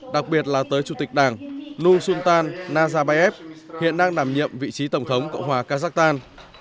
đặc biệt là tới chủ tịch đảng nusunta nazarbayev hiện đang đảm nhiệm vị trí tổng thống cộng hòa kazakhstan